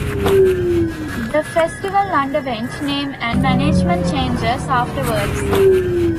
The festival underwent name and management changes afterwards.